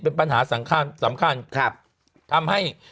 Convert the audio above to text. เป็นปัญหาสำคัญครับทำให้